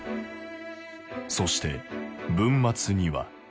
そして文末には。